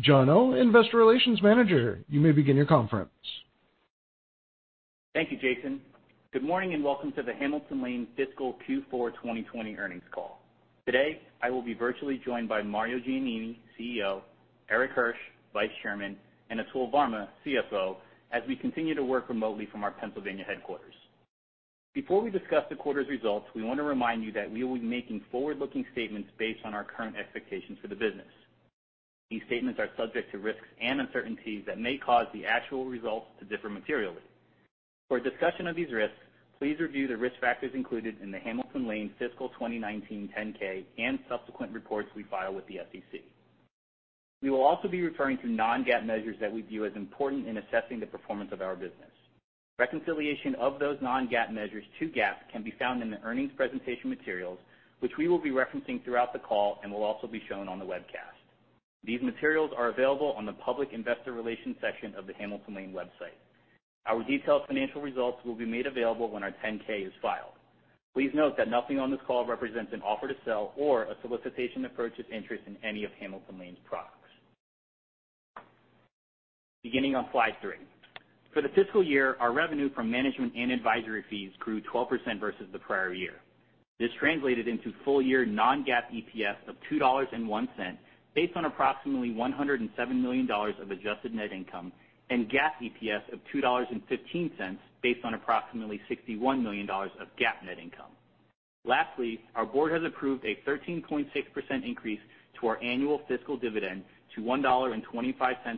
John Oh, Investor Relations Manager, you may begin your conference. Thank you, Jason. Good morning, and welcome to the Hamilton Lane fiscal Q4 2020 earnings call. Today, I will be virtually joined by Mario Giannini, CEO, Erik Hirsch, Vice Chairman, and Atul Varma, CFO, as we continue to work remotely from our Pennsylvania headquarters. Before we discuss the quarter's results, we want to remind you that we will be making forward-looking statements based on our current expectations for the business. These statements are subject to risks and uncertainties that may cause the actual results to differ materially. For a discussion of these risks, please review the risk factors included in the Hamilton Lane fiscal 2019 10-K and subsequent reports we file with the SEC. We will also be referring to Non-GAAP measures that we view as important in assessing the performance of our business. Reconciliation of those non-GAAP measures to GAAP can be found in the earnings presentation materials, which we will be referencing throughout the call and will also be shown on the webcast. These materials are available on the Public Investor Relations section of the Hamilton Lane website. Our detailed financial results will be made available when our 10-K is filed. Please note that nothing on this call represents an offer to sell or a solicitation approach of interest in any of Hamilton Lane's products. Beginning on slide three. For the fiscal year, our revenue from management and advisory fees grew 12% versus the prior year. This translated into full-year non-GAAP EPS of $2.01, based on approximately $107 million of adjusted net income, and GAAP EPS of $2.15, based on approximately $61 million of GAAP net income. Lastly, our board has approved a 13.6% increase to our annual fiscal dividend to $1.25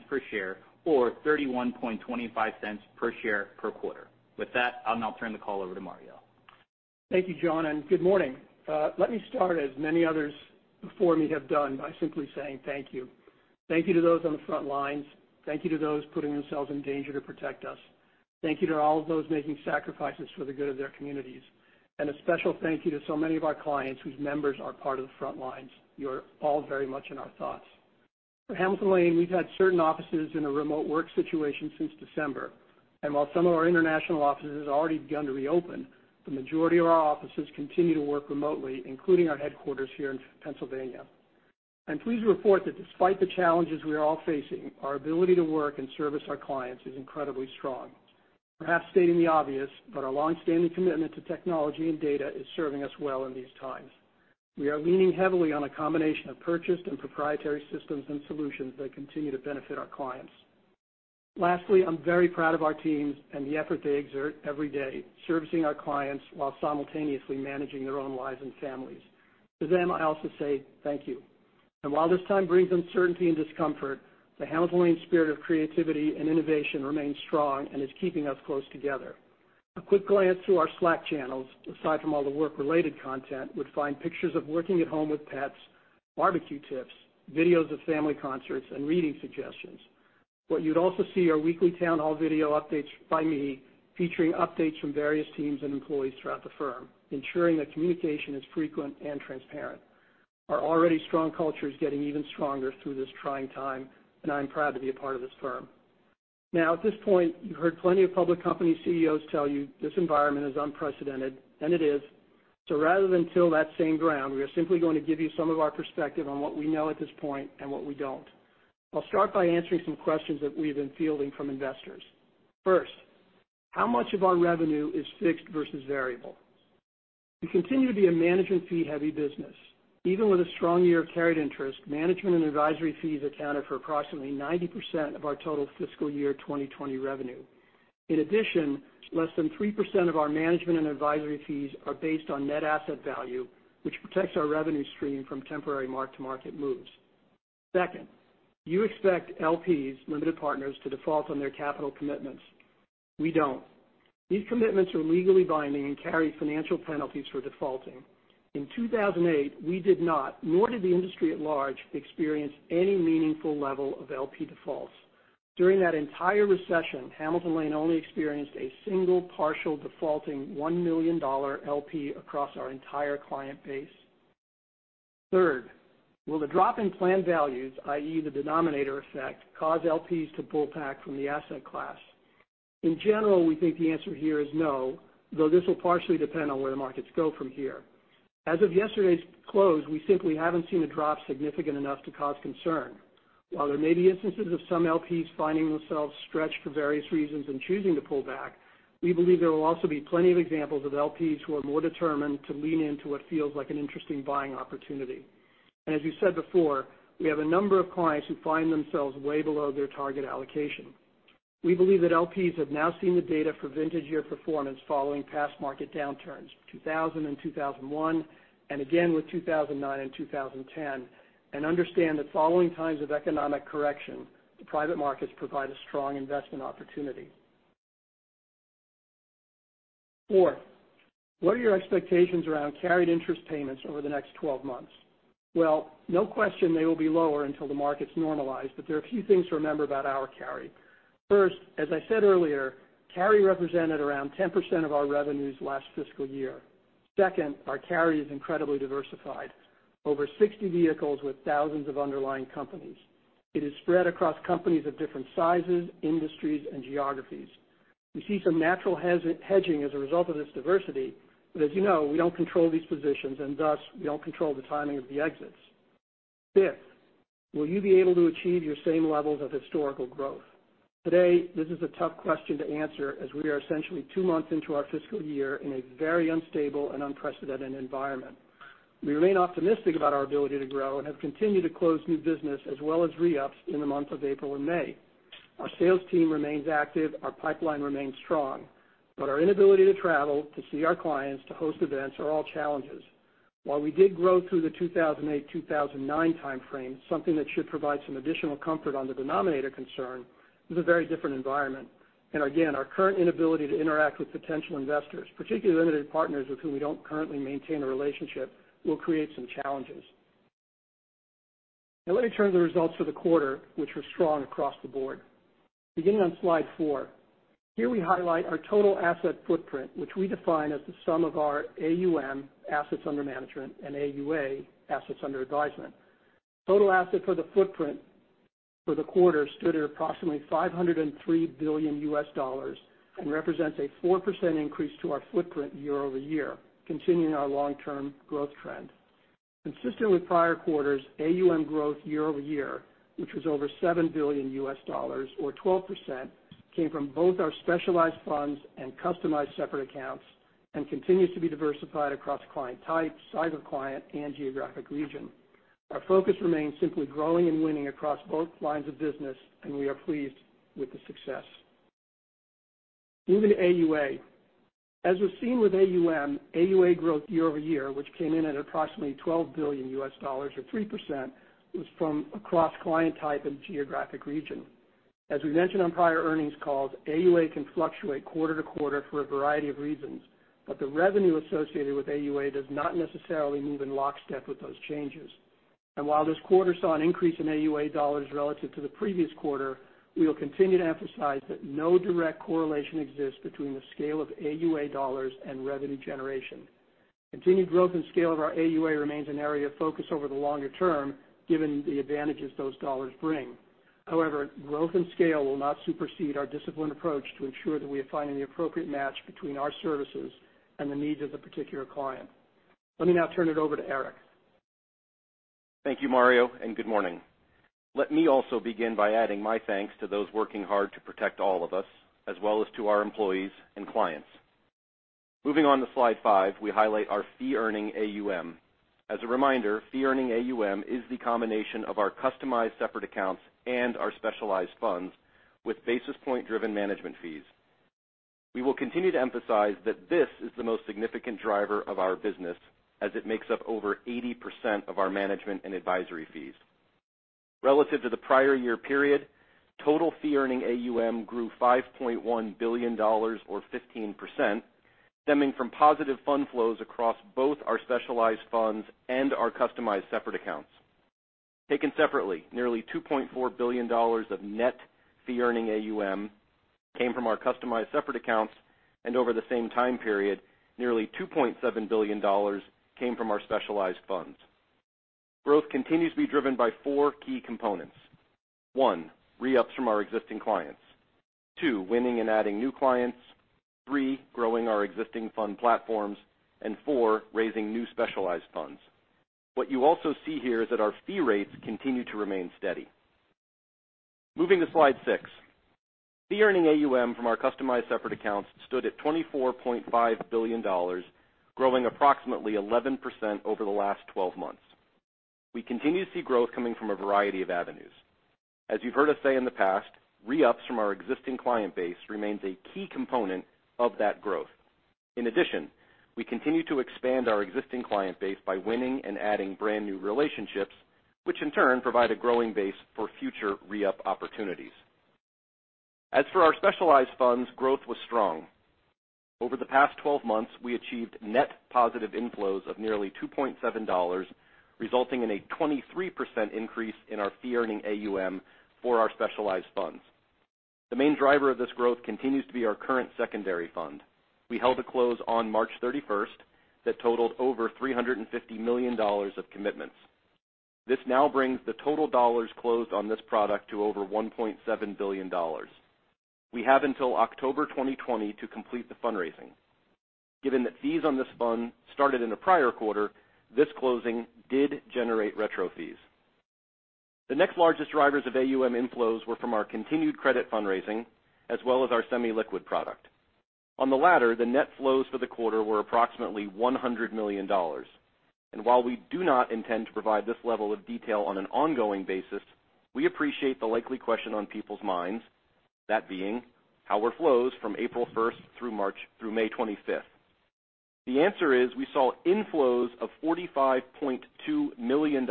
per share, or $0.3125 per share per quarter. With that, I'll now turn the call over to Mario. Thank you, John, and good morning. Let me start, as many others before me have done, by simply saying thank you. Thank you to those on the front lines. Thank you to those putting themselves in danger to protect us. Thank you to all of those making sacrifices for the good of their communities. And a special thank you to so many of our clients whose members are part of the front lines. You're all very much in our thoughts. For Hamilton Lane, we've had certain offices in a remote work situation since December, and while some of our international offices have already begun to reopen, the majority of our offices continue to work remotely, including our headquarters here in Pennsylvania. I'm pleased to report that despite the challenges we are all facing, our ability to work and service our clients is incredibly strong. Perhaps stating the obvious, but our long-standing commitment to technology and data is serving us well in these times. We are leaning heavily on a combination of purchased and proprietary systems and solutions that continue to benefit our clients. Lastly, I'm very proud of our teams and the effort they exert every day, servicing our clients while simultaneously managing their own lives and families. To them, I also say thank you, and while this time brings uncertainty and discomfort, the Hamilton Lane spirit of creativity and innovation remains strong and is keeping us close together. A quick glance through our Slack channels, aside from all the work-related content, would find pictures of working at home with pets, barbecue tips, videos of family concerts, and reading suggestions. What you'd also see are weekly town hall video updates by me, featuring updates from various teams and employees throughout the firm, ensuring that communication is frequent and transparent. Our already strong culture is getting even stronger through this trying time, and I'm proud to be a part of this firm. Now, at this point, you've heard plenty of public company CEOs tell you this environment is unprecedented, and it is. So rather than till that same ground, we are simply going to give you some of our perspective on what we know at this point and what we don't. I'll start by answering some questions that we've been fielding from investors. First, how much of our revenue is fixed versus variable? We continue to be a management fee-heavy business. Even with a strong year of carried interest, management and advisory fees accounted for approximately 90% of our total fiscal year 2020 revenue. In addition, less than 3% of our management and advisory fees are based on net asset value, which protects our revenue stream from temporary mark-to-market moves. Second, you expect LPs, limited partners, to default on their capital commitments. We don't. These commitments are legally binding and carry financial penalties for defaulting. In 2008, we did not, nor did the industry at large, experience any meaningful level of LP defaults. During that entire recession, Hamilton Lane only experienced a single partial defaulting $1 million LP across our entire client base. Third, will the drop in plan values, i.e., the denominator effect, cause LPs to pull back from the asset class? In general, we think the answer here is no, though this will partially depend on where the markets go from here. As of yesterday's close, we simply haven't seen a drop significant enough to cause concern. While there may be instances of some LPs finding themselves stretched for various reasons and choosing to pull back, we believe there will also be plenty of examples of LPs who are more determined to lean into what feels like an interesting buying opportunity. And as we said before, we have a number of clients who find themselves way below their target allocation. We believe that LPs have now seen the data for vintage year performance following past market downturns, 2000 and 2001, and again with 2009 and 2010, and understand that following times of economic correction, the private markets provide a strong investment opportunity. Fourth, what are your expectations around carried interest payments over the next 12 months? Well, no question, they will be lower until the markets normalize, but there are a few things to remember about our carry. First, as I said earlier, carry represented around 10% of our revenues last fiscal year. Second, our carry is incredibly diversified, over 60 vehicles with thousands of underlying companies. It is spread across companies of different sizes, industries, and geographies. We see some natural hedging as a result of this diversity, but as you know, we don't control these positions, and thus, we don't control the timing of the exits. Fifth, will you be able to achieve your same levels of historical growth? Today, this is a tough question to answer, as we are essentially two months into our fiscal year in a very unstable and unprecedented environment. We remain optimistic about our ability to grow and have continued to close new business as well as re-ups in the months of April and May. Our sales team remains active, our pipeline remains strong, but our inability to travel, to see our clients, to host events are all challenges. While we did grow through the 2008-2009 time frame, something that should provide some additional comfort on the denominator concern, is a very different environment, and again, our current inability to interact with potential investors, particularly limited partners with who we don't currently maintain a relationship, will create some challenges. Now let me turn to the results for the quarter, which were strong across the board. Beginning on slide four, here we highlight our total asset footprint, which we define as the sum of our AUM, assets under management, and AUA, assets under advisement. Total assets footprint for the quarter stood at approximately $503 billion and represents a 4% increase to our footprint year-over-year, continuing our long-term growth trend. Consistent with prior quarters, AUM growth year-over-year, which was over $7 billion, or 12%, came from both our Specialized Funds and Customized Separate Accounts and continues to be diversified across client type, size of client, and geographic region. Our focus remains simply growing and winning across both lines of business, and we are pleased with the success. Moving to AUA. As was seen with AUM, AUA growth year-over-year, which came in at approximately $12 billion, or 3%, was from across client type and geographic region. As we mentioned on prior earnings calls, AUA can fluctuate quarter to quarter for a variety of reasons, but the revenue associated with AUA does not necessarily move in lockstep with those changes. While this quarter saw an increase in AUA dollars relative to the previous quarter, we will continue to emphasize that no direct correlation exists between the scale of AUA dollars and revenue generation. Continued growth and scale of our AUA remains an area of focus over the longer term, given the advantages those dollars bring. However, growth and scale will not supersede our disciplined approach to ensure that we are finding the appropriate match between our services and the needs of the particular client. Let me now turn it over to Erik. Thank you, Mario, and good morning. Let me also begin by adding my thanks to those working hard to protect all of us, as well as to our employees and clients. Moving on to slide five, we highlight our fee-earning AUM. As a reminder, fee-earning AUM is the combination of our customized separate accounts and our specialized funds with basis point-driven management fees. We will continue to emphasize that this is the most significant driver of our business, as it makes up over 80% of our management and advisory fees. Relative to the prior year period, total fee-earning AUM grew $5.1 billion or 15%, stemming from positive fund flows across both our specialized funds and our customized separate accounts. Taken separately, nearly $2.4 billion of net fee earning AUM came from our customized separate accounts, and over the same time period, nearly $2.7 billion came from our specialized funds. Growth continues to be driven by four key components. One, re-ups from our existing clients. Two, winning and adding new clients. Three, growing our existing fund platforms. And four, raising new specialized funds. What you also see here is that our fee rates continue to remain steady. Moving to slide six. Fee earning AUM from our customized separate accounts stood at $24.5 billion, growing approximately 11% over the last 12 months. We continue to see growth coming from a variety of avenues. As you've heard us say in the past, re-ups from our existing client base remains a key component of that growth. In addition, we continue to expand our existing client base by winning and adding brand new relationships, which in turn provide a growing base for future re-up opportunities. As for our specialized funds, growth was strong. Over the past 12 months, we achieved net positive inflows of nearly $2.7 billion, resulting in a 23% increase in our fee-earning AUM for our specialized funds. The main driver of this growth continues to be our current secondary fund. We held a close on March 31st that totaled over $350 million of commitments. This now brings the total dollars closed on this product to over $1.7 billion. We have until October 2020 to complete the fundraising. Given that fees on this fund started in the prior quarter, this closing did generate retro fees. The next largest drivers of AUM inflows were from our continued credit fundraising, as well as our semi-liquid product. On the latter, the net flows for the quarter were approximately $100 million. And while we do not intend to provide this level of detail on an ongoing basis, we appreciate the likely question on people's minds, that being how were flows from April 1st through May 25th The answer is we saw inflows of $45.2 million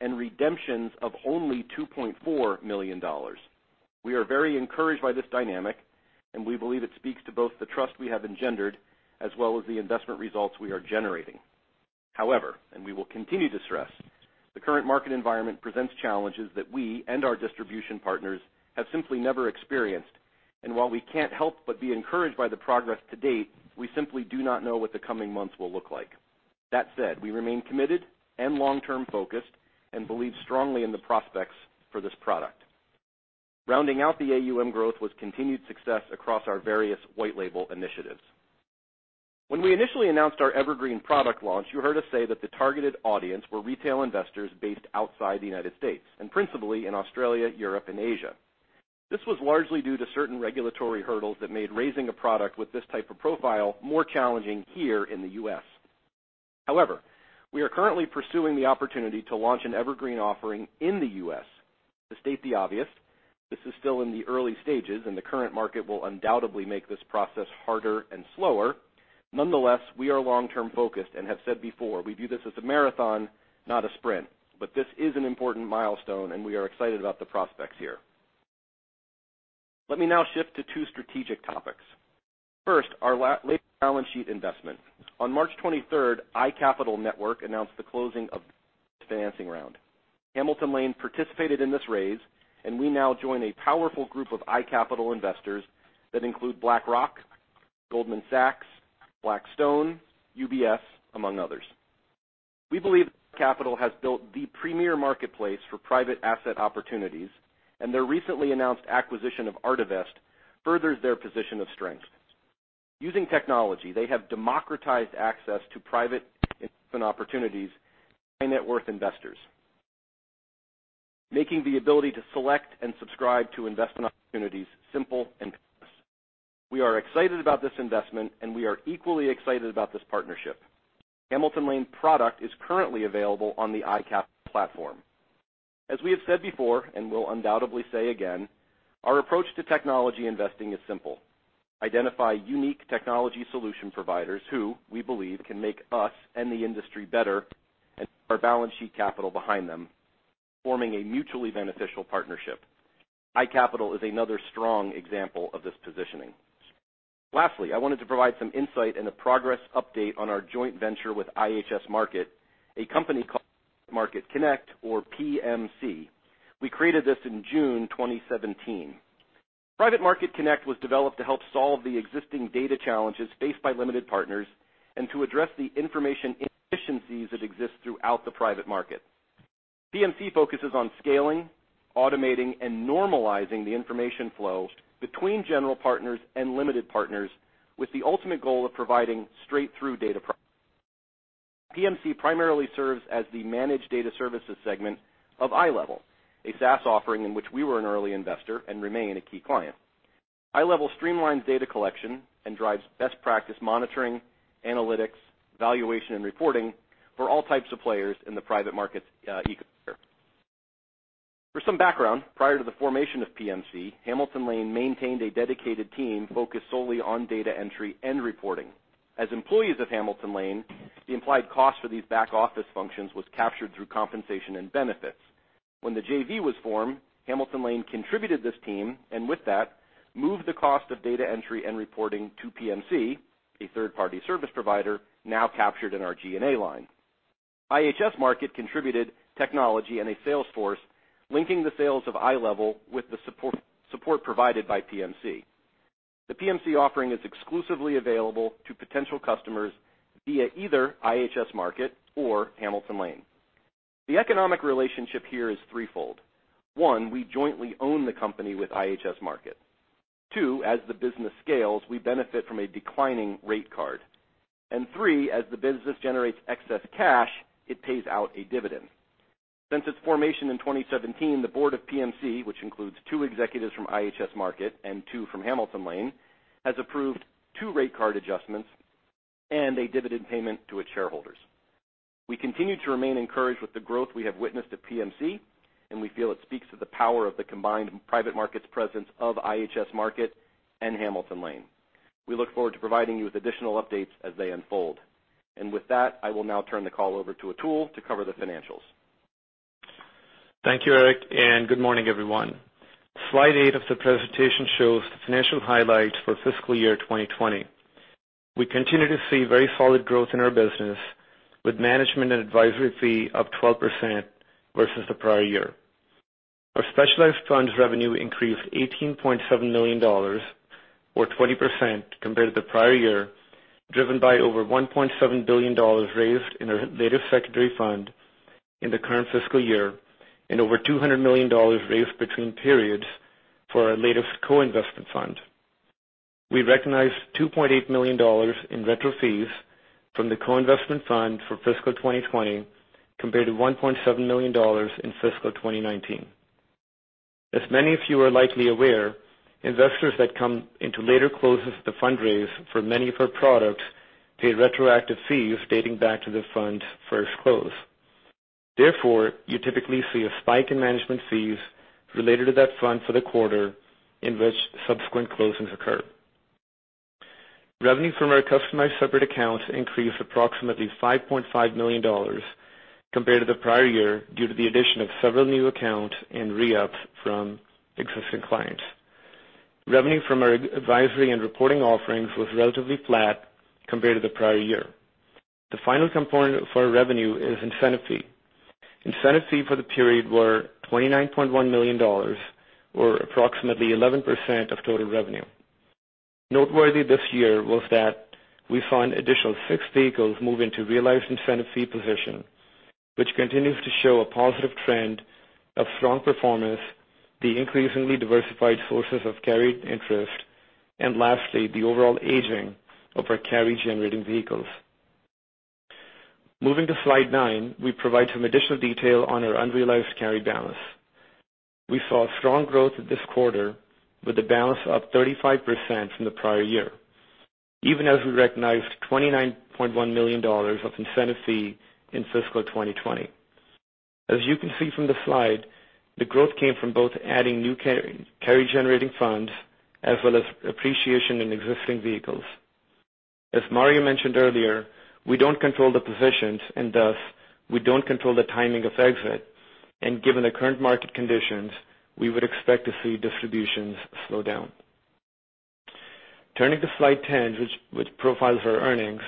and redemptions of only $2.4 million. We are very encouraged by this dynamic, and we believe it speaks to both the trust we have engendered as well as the investment results we are generating. However, and we will continue to stress, the current market environment presents challenges that we and our distribution partners have simply never experienced. And while we can't help but be encouraged by the progress to date, we simply do not know what the coming months will look like. That said, we remain committed and long-term focused, and believe strongly in the prospects for this product. Rounding out the AUM growth was continued success across our various white label initiatives. When we initially announced our Evergreen product launch, you heard us say that the targeted audience were retail investors based outside the United States, and principally in Australia, Europe, and Asia. This was largely due to certain regulatory hurdles that made raising a product with this type of profile more challenging here in the U.S. However, we are currently pursuing the opportunity to launch an Evergreen offering in the U.S. To state the obvious, this is still in the early stages, and the current market will undoubtedly make this process harder and slower. Nonetheless, we are long-term focused and have said before, we view this as a marathon, not a sprint. But this is an important milestone, and we are excited about the prospects here. Let me now shift to two strategic topics. First, our latest balance sheet investment. On March 23rd, iCapital Network announced the closing of its financing round. Hamilton Lane participated in this raise, and we now join a powerful group of iCapital investors that include BlackRock, Goldman Sachs, Blackstone, UBS, among others. We believe iCapital has built the premier marketplace for private asset opportunities, and their recently announced acquisition of Artivest furthers their position of strength. Using technology, they have democratized access to private investment opportunities for high-net-worth investors, making the ability to select and subscribe to investment opportunities simple and seamless. We are excited about this investment, and we are equally excited about this partnership. Hamilton Lane product is currently available on the iCapital platform. As we have said before, and we'll undoubtedly say again, our approach to technology investing is simple: identify unique technology solution providers who we believe can make us and the industry better, and put our balance sheet capital behind them, forming a mutually beneficial partnership. iCapital is another strong example of this positioning. Lastly, I wanted to provide some insight and a progress update on our joint venture with IHS Markit, a company called Private Market Connect, or PMC. We created this in June 2017. Private Market Connect was developed to help solve the existing data challenges faced by limited partners and to address the information inefficiencies that exist throughout the private market. PMC focuses on scaling, automating, and normalizing the information flow between general partners and limited partners, with the ultimate goal of providing straight-through data products. PMC primarily serves as the managed data services segment of iLevel, a SaaS offering in which we were an early investor and remain a key client. iLevel streamlines data collection and drives best practice monitoring, analytics, valuation, and reporting for all types of players in the private markets ecosystem. For some background, prior to the formation of PMC, Hamilton Lane maintained a dedicated team focused solely on data entry and reporting. As employees of Hamilton Lane, the implied cost for these back-office functions was captured through compensation and benefits. When the JV was formed, Hamilton Lane contributed this team, and with that, moved the cost of data entry and reporting to PMC, a third-party service provider, now captured in our G&A line. IHS Markit contributed technology and a sales force, linking the sales of iLevel with the support provided by PMC. The PMC offering is exclusively available to potential customers via either IHS Markit or Hamilton Lane. The economic relationship here is threefold. One, we jointly own the company with IHS Markit. Two, as the business scales, we benefit from a declining rate card. And three, as the business generates excess cash, it pays out a dividend. Since its formation in 2017, the board of PMC, which includes two executives from IHS Markit and two from Hamilton Lane, has approved two rate card adjustments and a dividend payment to its shareholders. We continue to remain encouraged with the growth we have witnessed at PMC, and we feel it speaks to the power of the combined private markets presence of IHS Markit and Hamilton Lane. We look forward to providing you with additional updates as they unfold. With that, I will now turn the call over to Atul to cover the financials. Thank you, Erik, and good morning, everyone. Slide eight of the presentation shows the financial highlights for fiscal year 2020. We continue to see very solid growth in our business, with management and advisory fee up 12% versus the prior year. Our Specialized Funds revenue increased $18.7 million, or 20% compared to the prior year, driven by over $1.7 billion raised in our latest Secondary Fund in the current fiscal year, and over $200 million raised between periods for our latest co-investment fund. We recognized $2.8 million in retroactive fees from the co-investment fund for fiscal 2020, compared to $1.7 million in fiscal 2019. As many of you are likely aware, investors that come into later closes of the fundraise for many of our products pay retroactive fees dating back to the fund's first close. Therefore, you typically see a spike in management fees related to that fund for the quarter in which subsequent closings occur. Revenue from our Customized Separate Accounts increased approximately $5.5 million compared to the prior year, due to the addition of several new accounts and re-ups from existing clients. Revenue from our advisory and reporting offerings was relatively flat compared to the prior year. The final component for our revenue is incentive fee. Incentive fee for the period were $29.1 million, or approximately 11% of total revenue. Noteworthy this year was that we saw an additional six vehicles move into realized incentive fee position, which continues to show a positive trend of strong performance, the increasingly diversified sources of carried interest, and lastly, the overall aging of our carry-generating vehicles. Moving to slide nine, we provide some additional detail on our unrealized carry balance. We saw strong growth this quarter with a balance up 35% from the prior year, even as we recognized $29.1 million of incentive fee in fiscal 2020. As you can see from the slide, the growth came from both adding new carry, carry-generating funds as well as appreciation in existing vehicles. As Mario mentioned earlier, we don't control the positions, and thus, we don't control the timing of exit. Given the current market conditions, we would expect to see distributions slow down. Turning to slide 10, which profiles our earnings,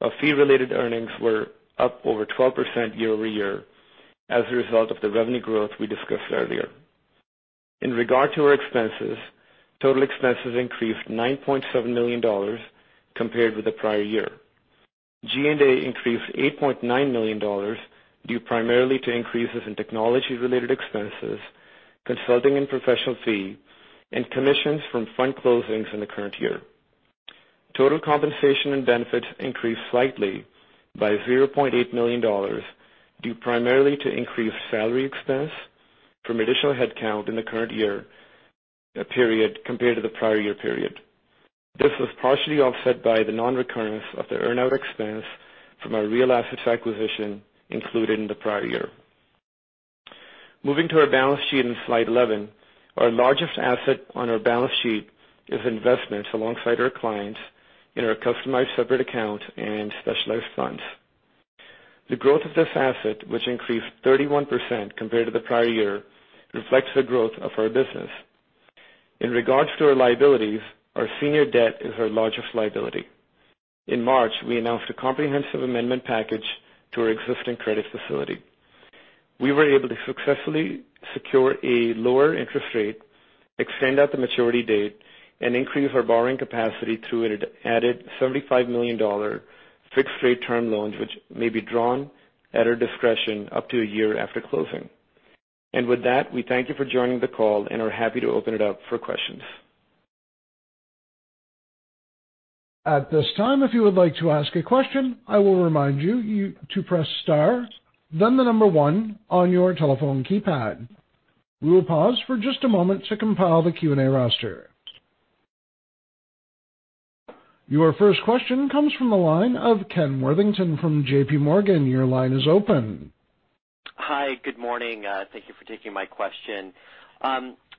our fee-related earnings were up over 12% year-over-year as a result of the revenue growth we discussed earlier. In regard to our expenses, total expenses increased $9.7 million compared with the prior year. G&A increased $8.9 million, due primarily to increases in technology-related expenses, consulting and professional fee, and commissions from fund closings in the current year. Total compensation and benefits increased slightly by $0.8 million, due primarily to increased salary expense from additional headcount in the current year, period, compared to the prior year period. This was partially offset by the non-recurrence of the earn-out expense from our real assets acquisition included in the prior year. Moving to our balance sheet in slide 11, our largest asset on our balance sheet is investments alongside our clients in our customized separate account and specialized funds. The growth of this asset, which increased 31% compared to the prior year, reflects the growth of our business. In regards to our liabilities, our senior debt is our largest liability. In March, we announced a comprehensive amendment package to our existing credit facility. We were able to successfully secure a lower interest rate, extend out the maturity date, and increase our borrowing capacity through an added $75 million fixed-rate term loans, which may be drawn at our discretion up to a year after closing, and with that, we thank you for joining the call and are happy to open it up for questions. At this time, if you would like to ask a question, I will remind you to press star, then the number one on your telephone keypad. We will pause for just a moment to compile the Q&A roster. Your first question comes from the line of Ken Worthington from JP Morgan. Your line is open. Hi, good morning. Thank you for taking my question.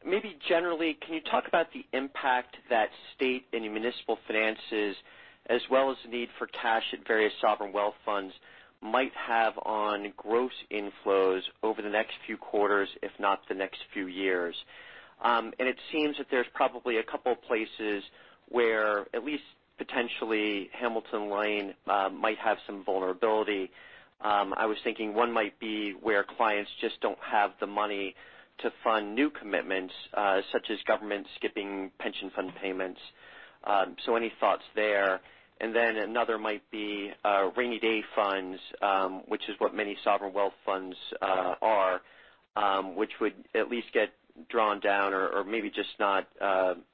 Maybe generally, can you talk about the impact that state and municipal finances, as well as the need for cash at various sovereign wealth funds, might have on gross inflows over the next few quarters, if not the next few years? And it seems that there's probably a couple of places where at least potentially Hamilton Lane might have some vulnerability. I was thinking one might be where clients just don't have the money to fund new commitments, such as government skipping pension fund payments. So any thoughts there? And then another might be rainy day funds, which is what many sovereign wealth funds are, which would at least get drawn down or maybe just not,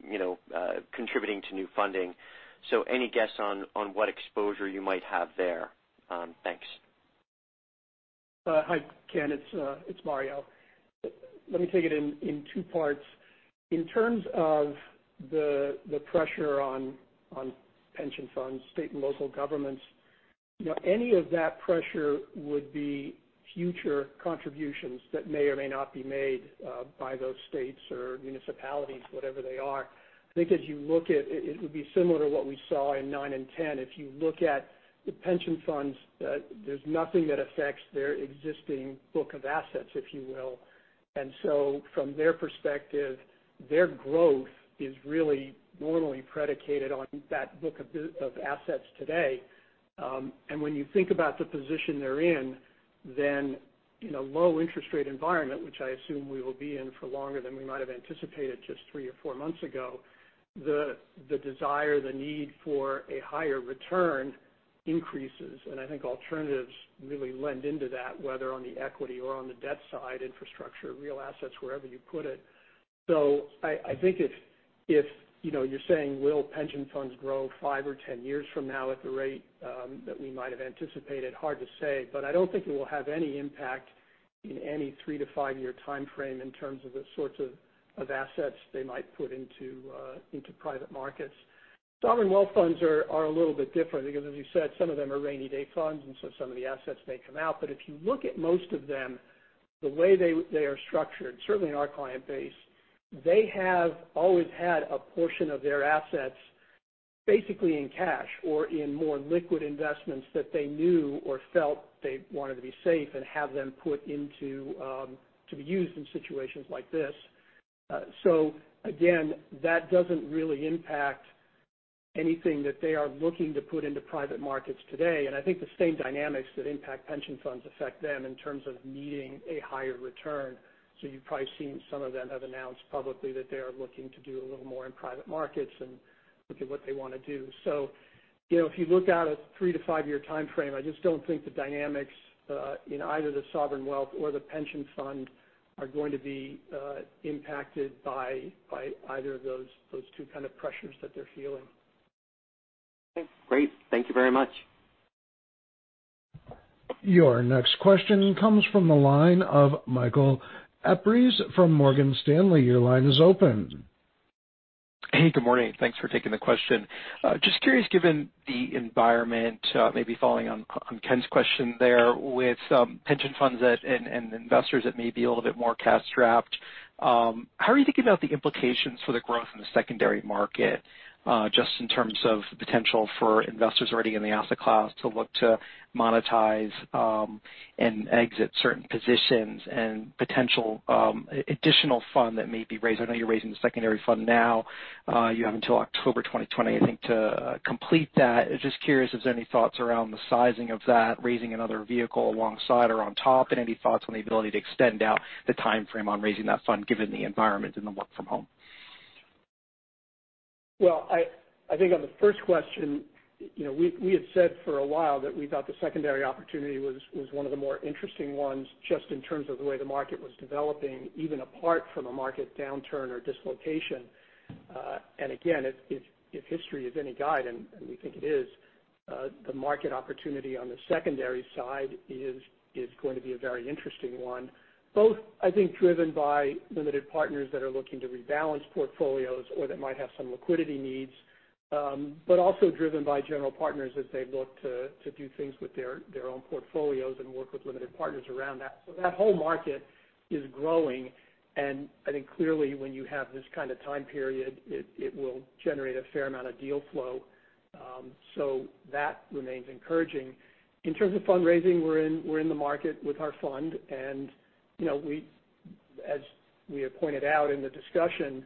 you know, contributing to new funding. So any guess on what exposure you might have there? Thanks. Hi, Ken. It's Mario. Let me take it in two parts. In terms of the pressure on pension funds, state and local governments, you know, any of that pressure would be future contributions that may or may not be made by those states or municipalities, whatever they are. I think as you look at it, it would be similar to what we saw in 2009 and 2010. If you look at the pension funds, there's nothing that affects their existing book of assets, if you will. And so from their perspective, their growth is really normally predicated on that book of assets today. And when you think about the position they're in, then, you know, low interest rate environment, which I assume we will be in for longer than we might have anticipated just three or four months ago, the desire, the need for a higher return increases. And I think alternatives really lend into that, whether on the equity or on the debt side, infrastructure, real assets, wherever you put it. So I think if you know, you're saying, will pension funds grow five or 10 years from now at the rate that we might have anticipated? Hard to say, but I don't think it will have any impact in any three to five-year timeframe in terms of the sorts of assets they might put into private markets. Sovereign wealth funds are a little bit different because, as you said, some of them are rainy day funds, and so some of the assets may come out. But if you look at most of them, the way they are structured, certainly in our client base, they have always had a portion of their assets basically in cash or in more liquid investments that they knew or felt they wanted to be safe and have them put into to be used in situations like this. So again, that doesn't really impact anything that they are looking to put into private markets today, and I think the same dynamics that impact pension funds affect them in terms of needing a higher return. So you've probably seen some of them have announced publicly that they are looking to do a little more in private markets and look at what they wanna do. So, you know, if you look out at three to five year time frame, I just don't think the dynamics in either the sovereign wealth or the pension fund are going to be impacted by either of those two kind of pressures that they're feeling. Okay, great. Thank you very much. Your next question comes from the line of Michael Cyprys from Morgan Stanley. Your line is open. Hey, good morning. Thanks for taking the question. Just curious, given the environment, maybe following on Ken's question there with pension funds and investors that may be a little bit more cash strapped, how are you thinking about the implications for the growth in the secondary market, just in terms of the potential for investors already in the asset class to look to monetize and exit certain positions and potential additional fund that may be raised? I know you're raising the secondary fund now. You have until October 2020, I think, to complete that. Just curious if there's any thoughts around the sizing of that, raising another vehicle alongside or on top, and any thoughts on the ability to extend out the timeframe on raising that fund given the environment and the work from home? I think on the first question, you know, we had said for a while that we thought the secondary opportunity was one of the more interesting ones, just in terms of the way the market was developing, even apart from a market downturn or dislocation. And again, if history is any guide, and we think it is, the market opportunity on the secondary side is going to be a very interesting one, both, I think, driven by limited partners that are looking to rebalance portfolios or that might have some liquidity needs, but also driven by general partners as they look to do things with their own portfolios and work with limited partners around that. So that whole market is growing, and I think clearly, when you have this kind of time period, it will generate a fair amount of deal flow. So that remains encouraging. In terms of fundraising, we're in the market with our fund, and, you know, we, as we have pointed out in the discussion,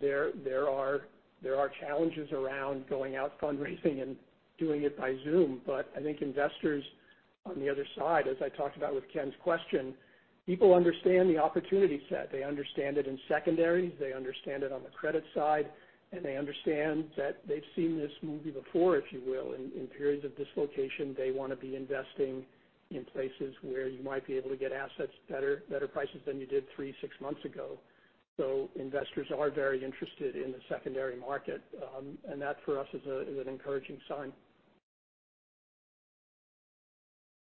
there are challenges around going out fundraising and doing it by Zoom. But I think investors on the other side, as I talked about with Ken's question, people understand the opportunity set. They understand it in secondary, they understand it on the credit side, and they understand that they've seen this movie before, if you will. In periods of dislocation, they wanna be investing in places where you might be able to get assets better prices than you did three, six months ago. So investors are very interested in the secondary market, and that, for us, is an encouraging sign.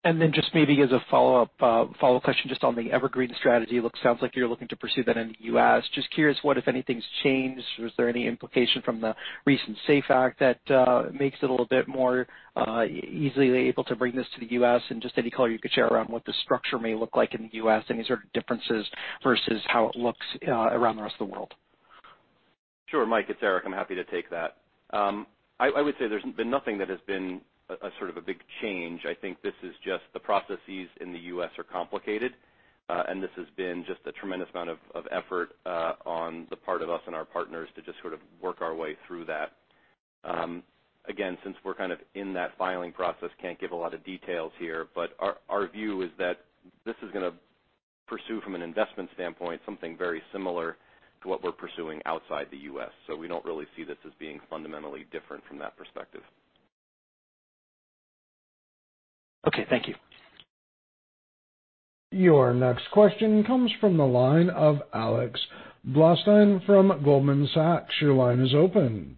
And then just maybe as a follow-up question, just on the Evergreen strategy, looks, sounds like you're looking to pursue that in the U.S. Just curious, what, if anything, has changed, or is there any implication from the recent SAFE Act that makes it a little bit more easily able to bring this to the U.S.? And just any color you could share around what the structure may look like in the U.S., any sort of differences versus how it looks around the rest of the world. Sure, Mike, it's Eric. I'm happy to take that. I would say there's been nothing that has been a sort of big change. I think this is just the processes in the U.S. are complicated, and this has been just a tremendous amount of effort on the part of us and our partners to just sort of work our way through that. Again, since we're kind of in that filing process, can't give a lot of details here, but our view is that this is gonna pursue, from an investment standpoint, something very similar to what we're pursuing outside the U.S. So we don't really see this as being fundamentally different from that perspective. Okay. Thank you. Your next question comes from the line of Alex Blostein from Goldman Sachs. Your line is open.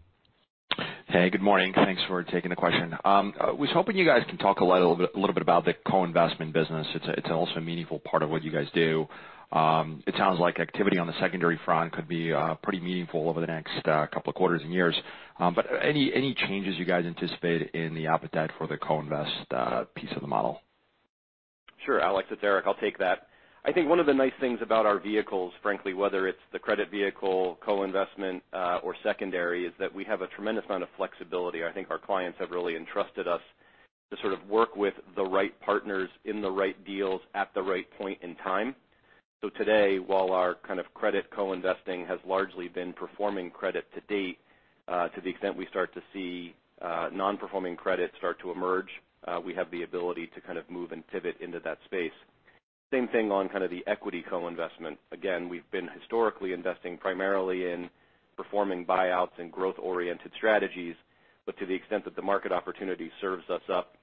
Hey, good morning. Thanks for taking the question. I was hoping you guys can talk a little bit about the co-investment business. It's also a meaningful part of what you guys do. It sounds like activity on the secondary front could be pretty meaningful over the next couple of quarters and years. But any changes you guys anticipate in the appetite for the co-invest piece of the model? Sure, Alex, it's Erik. I'll take that. I think one of the nice things about our vehicles, frankly, whether it's the credit vehicle, co-investment, or secondary, is that we have a tremendous amount of flexibility. I think our clients have really entrusted us to sort of work with the right partners in the right deals at the right point in time. So today, while our kind of credit co-investing has largely been performing credit to date, to the extent we start to see, non-performing credit start to emerge, we have the ability to kind of move and pivot into that space. Same thing on kind of the equity co-investment. Again, we've been historically investing primarily in performing buyouts and growth-oriented strategies, but to the extent that the market opportunity serves us up,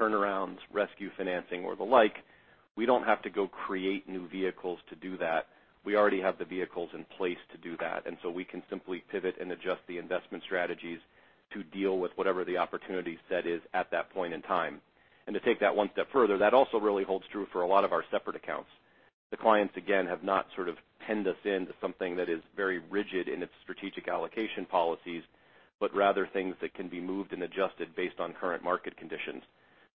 turnarounds, rescue financing, or the like, we don't have to go create new vehicles to do that. We already have the vehicles in place to do that, and so we can simply pivot and adjust the investment strategies to deal with whatever the opportunity set is at that point in time, and to take that one step further, that also really holds true for a lot of our separate accounts. The clients, again, have not sort of penned us into something that is very rigid in its strategic allocation policies, but rather things that can be moved and adjusted based on current market conditions.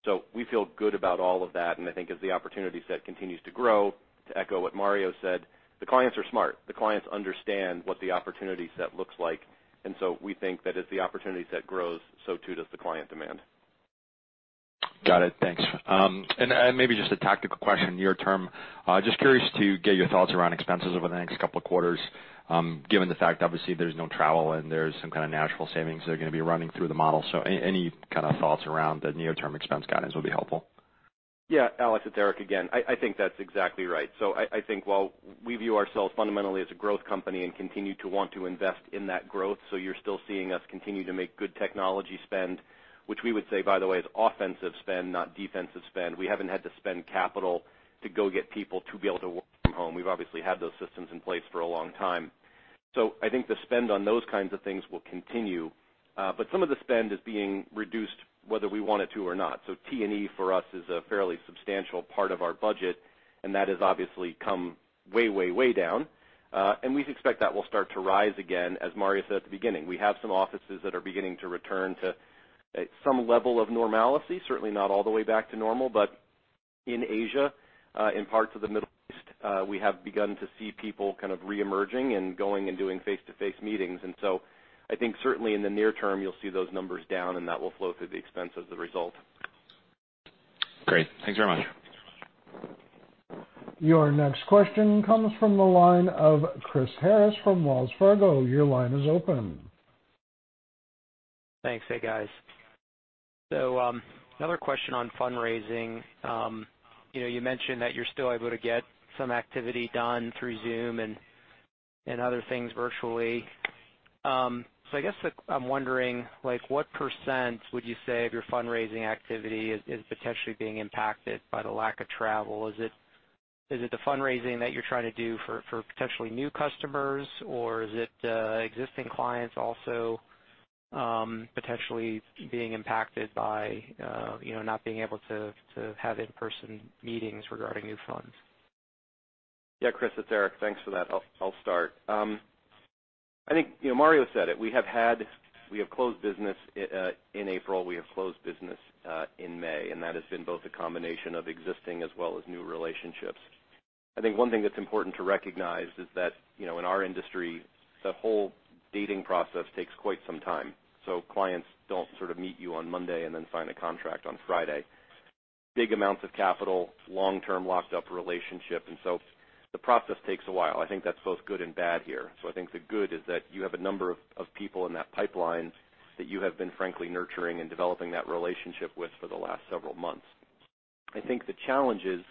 So we feel good about all of that, and I think as the opportunity set continues to grow, to echo what Mario said, the clients are smart. The clients understand what the opportunity set looks like, and so we think that as the opportunity set grows, so too does the client demand. Got it. Thanks, and maybe just a tactical question near term. Just curious to get your thoughts around expenses over the next couple of quarters, given the fact obviously, there's no travel and there's some kind of natural savings that are going to be running through the model, so any kind of thoughts around the near-term expense guidance will be helpful. Yeah, Alex, it's Erik again. I think that's exactly right. So I think while we view ourselves fundamentally as a growth company and continue to want to invest in that growth, so you're still seeing us continue to make good technology spend, which we would say, by the way, is offensive spend, not defensive spend. We haven't had to spend capital to go get people to be able to work from home. We've obviously had those systems in place for a long time. So I think the spend on those kinds of things will continue. But some of the spend is being reduced, whether we want it to or not. So T&E, for us, is a fairly substantial part of our budget, and that has obviously come way, way, way down. And we expect that will start to rise again, as Mario said at the beginning. We have some offices that are beginning to return to some level of normalcy, certainly not all the way back to normal, but in Asia, in parts of the Middle East, we have begun to see people kind of reemerging and going and doing face-to-face meetings, and so I think certainly in the near term, you'll see those numbers down, and that will flow through the expense as a result. Great. Thanks very much. Your next question comes from the line of Chris Harris from Wells Fargo. Your line is open. Thanks. Hey, guys. So, another question on fundraising. You know, you mentioned that you're still able to get some activity done through Zoom and other things virtually. So I guess, I'm wondering, like, what percent would you say of your fundraising activity is potentially being impacted by the lack of travel? Is it the fundraising that you're trying to do for potentially new customers, or is it existing clients also potentially being impacted by you know not being able to have in-person meetings regarding new funds? Yeah, Chris, it's Erik. Thanks for that. I'll start. I think, you know, Mario said it. We have had. We have closed business in April, we have closed business in May, and that has been both a combination of existing as well as new relationships. I think one thing that's important to recognize is that, you know, in our industry, the whole dating process takes quite some time. So clients don't sort of meet you on Monday and then sign a contract on Friday. Big amounts of capital, long-term, locked up relationship, and so the process takes a while. I think that's both good and bad here. I think the good is that you have a number of people in that pipeline that you have been frankly nurturing and developing that relationship with for the last several months. I think the challenge is.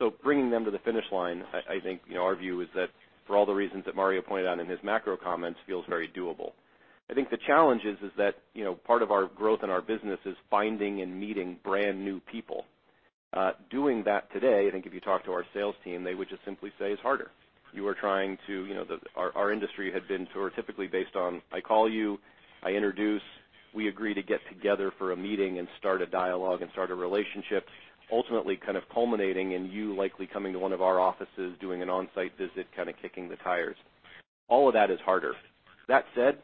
So bringing them to the finish line, I think, you know, our view is that for all the reasons that Mario pointed out in his macro comments, feels very doable. I think the challenge is that, you know, part of our growth in our business is finding and meeting brand new people. Doing that today, I think if you talk to our sales team, they would just simply say it's harder. You are trying to, you know, our industry had been sort of typically based on, I call you, I introduce, we agree to get together for a meeting and start a dialogue and start a relationship, ultimately kind of culminating in you likely coming to one of our offices, doing an on-site visit, kind of kicking the tires. All of that is harder. That said,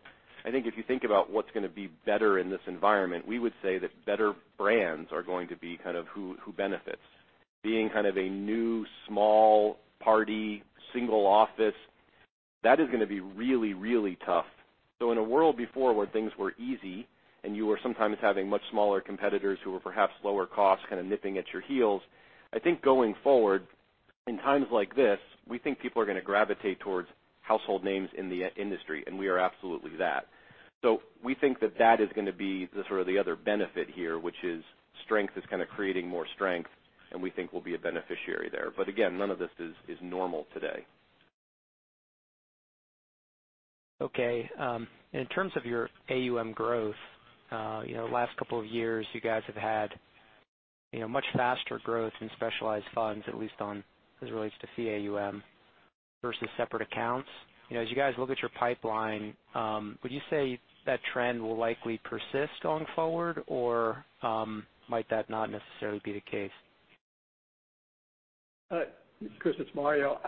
I think if you think about what's going to be better in this environment, we would say that better brands are going to be kind of who benefits. Being kind of a new, small player, single office, that is going to be really, really tough. So in a world before where things were easy and you were sometimes having much smaller competitors who were perhaps lower cost, kind of nipping at your heels, I think going forward, in times like this, we think people are going to gravitate towards household names in the industry, and we are absolutely that. So we think that is going to be the sort of the other benefit here, which is strength is kind of creating more strength, and we think we'll be a beneficiary there. But again, none of this is normal today. Okay, in terms of your AUM growth, you know, last couple of years, you guys have had, you know, much faster growth in specialized funds, at least on as it relates to AUM versus separate accounts. You know, as you guys look at your pipeline, would you say that trend will likely persist going forward, or, might that not necessarily be the case? Chris, it's Mario.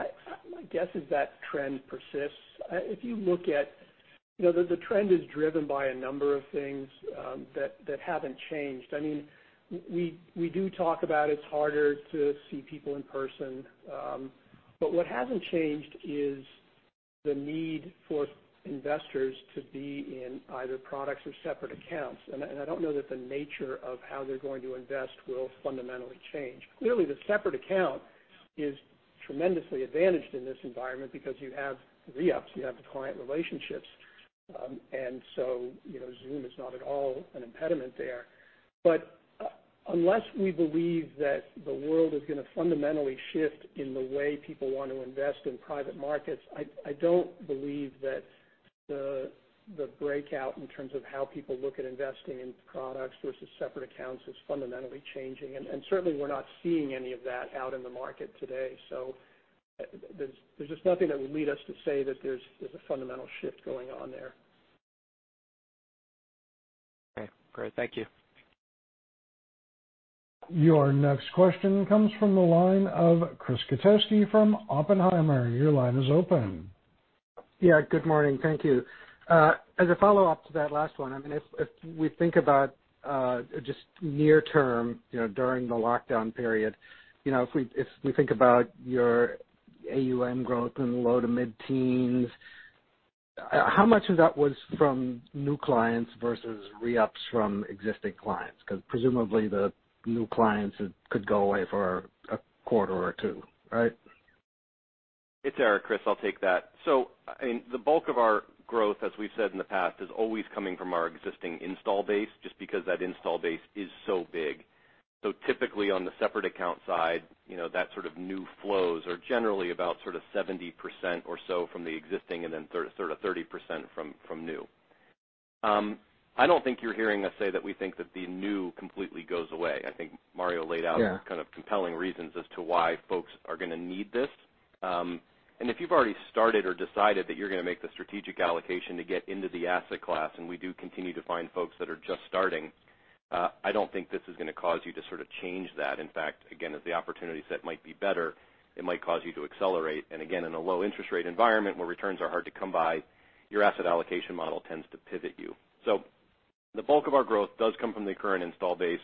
My guess is that trend persists. If you look at, you know, the trend is driven by a number of things that haven't changed. I mean, we do talk about it's harder to see people in person, but what hasn't changed is the need for investors to be in either products or separate accounts. I don't know that the nature of how they're going to invest will fundamentally change. Clearly, the separate account is tremendously advantaged in this environment because you have the ups, you have the client relationships. And so, you know, Zoom is not at all an impediment there. But, unless we believe that the world is going to fundamentally shift in the way people want to invest in private markets, I don't believe that the breakout in terms of how people look at investing in products versus separate accounts is fundamentally changing. And certainly we're not seeing any of that out in the market today. So there's just nothing that would lead us to say that there's a fundamental shift going on there. Okay, great. Thank you. Your next question comes from the line of Chris Kotowski from Oppenheimer. Your line is open. Yeah, good morning. Thank you. As a follow-up to that last one, I mean, if we think about just near term, you know, during the lockdown period, you know, if we think about your AUM growth in the low to mid-teens, how much of that was from new clients versus re-ups from existing clients? Because presumably, the new clients could go away for a quarter or two, right? It's Erik, Chris. I'll take that. So, I mean, the bulk of our growth, as we've said in the past, is always coming from our existing installed base, just because that installed base is so big. So typically, on the separate account side, you know, that sort of new flows are generally about sort of 70% or so from the existing and then sort of 30% from new. I don't think you're hearing us say that we think that the new completely goes away. I think Mario laid out kind of compelling reasons as to why folks are gonna need this. And if you've already started or decided that you're gonna make the strategic allocation to get into the asset class, and we do continue to find folks that are just starting, I don't think this is gonna cause you to sort of change that. In fact, again, as the opportunity set might be better, it might cause you to accelerate. And again, in a low interest rate environment where returns are hard to come by, your asset allocation model tends to pivot you. So the bulk of our growth does come from the current install base.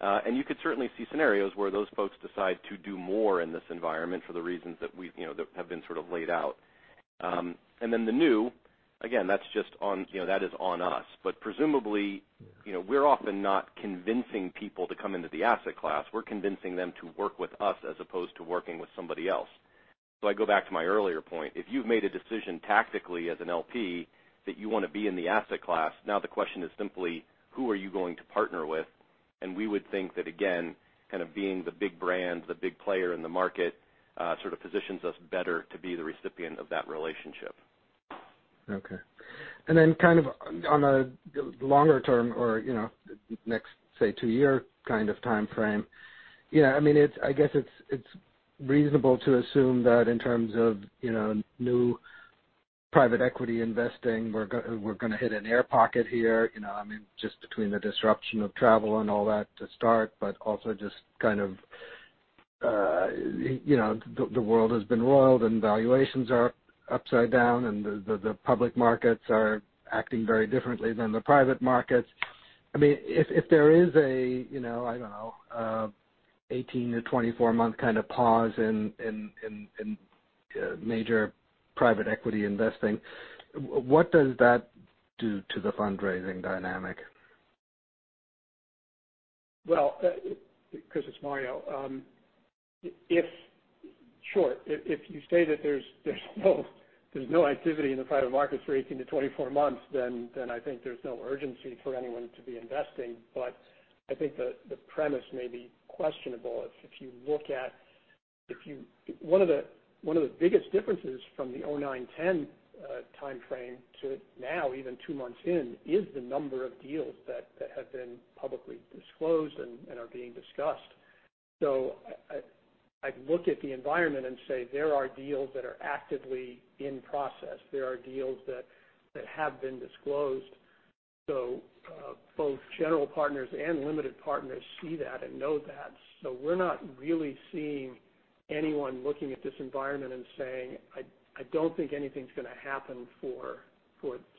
And you could certainly see scenarios where those folks decide to do more in this environment for the reasons that we've, you know, that have been sort of laid out. And then the new, again, that's just on, you know, that is on us. But presumably, you know, we're often not convincing people to come into the asset class. We're convincing them to work with us as opposed to working with somebody else. So I go back to my earlier point: If you've made a decision tactically as an LP, that you wanna be in the asset class, now the question is simply, who are you going to partner with? And we would think that, again, kind of being the big brand, the big player in the market, sort of positions us better to be the recipient of that relationship. Okay. And then kind of on a longer term or, you know, next, say, two-year kind of time frame, you know, I mean, I guess it's reasonable to assume that in terms of, you know, new private equity investing, we're gonna hit an air pocket here, you know, I mean, just between the disruption of travel and all that to start, but also just kind of, you know, the world has been roiled, and valuations are upside down, and the public markets are acting very differently than the private markets. I mean, if there is a, you know, I don't know, 18-24 month kind of pause in major private equity investing, what does that do to the fundraising dynamic? Chris, it's Mario. Sure, if you say that there's no activity in the private markets for 18-24 months, then I think there's no urgency for anyone to be investing. But I think the premise may be questionable. If you look at one of the biggest differences from the 2009-2010 time frame to now, even two months in, is the number of deals that have been publicly disclosed and are being discussed. So I'd look at the environment and say there are deals that are actively in process. There are deals that have been disclosed. So both general partners and limited partners see that and know that. So we're not really seeing anyone looking at this environment and saying, "I don't think anything's gonna happen for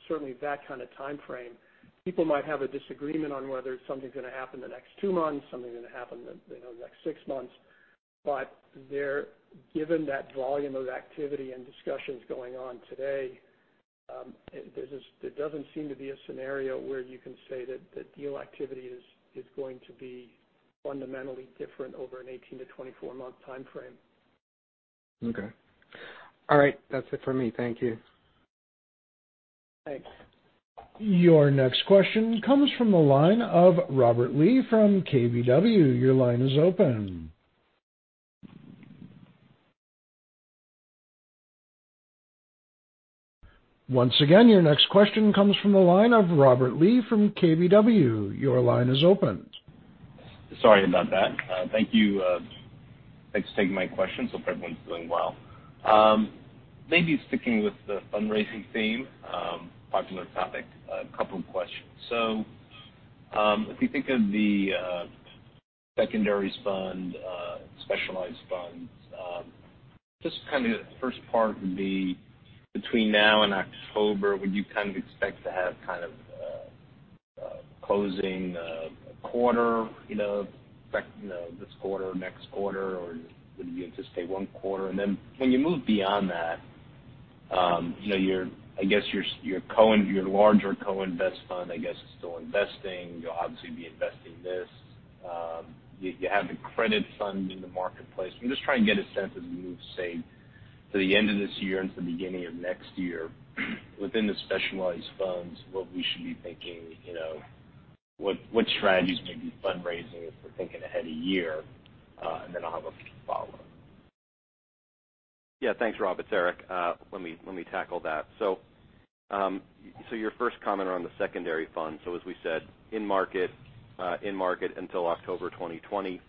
certainly that kind of time frame." People might have a disagreement on whether something's gonna happen in the next two months, something gonna happen in, you know, the next six months. But they're given that volume of activity and discussions going on today. There doesn't seem to be a scenario where you can say that the deal activity is going to be fundamentally different over an 18-24 month time frame. Okay. All right, that's it for me. Thank you. Thanks. Your next question comes from the line of Robert Lee from KBW. Your line is open. Once again, your next question comes from the line of Robert Lee from KBW. Your line is open. Sorry about that. Thank you. Thanks for taking my question. So hope everyone's doing well. Maybe sticking with the fundraising theme, popular topic, a couple of questions. So, if you think of the Secondaries fund, Specialized funds, just kind of the first part would be, between now and October, would you kind of expect to have kind of closing, a quarter, you know, like, you know, this quarter or next quarter, or would you anticipate one quarter? And then when you move beyond that, you know, your, I guess your larger co-investment fund, I guess, is still investing. You'll obviously be investing this. You, you have the credit fund in the marketplace. I'm just trying to get a sense as we move, say, to the end of this year and to the beginning of next year, within the Specialized Funds, what we should be thinking, you know, what, what strategies maybe fundraising, if we're thinking ahead a year, and then I'll have a few follow-ups. Yeah. Thanks, Robert. It's Erik. Let me tackle that. So, so your first comment around the secondary fund. So as we said, in market until October 2020.